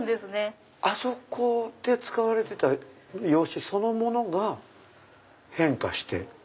あそこで使われてた用紙そのものが変化して？